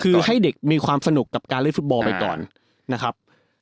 คือให้เด็กมีความสนุกกับการเล่นฟุตบอลไปก่อนนะครับ